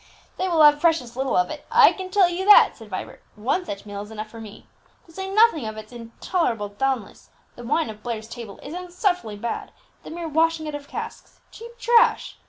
"They will have precious little of it, I can tell you that," said Vibert; "one such meal is enough for me. To say nothing of its intolerable dulness, the wine of Blair's table is insufferably bad, the mere washing out of casks, cheap trash!"